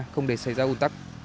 không để xảy ra ưu tắc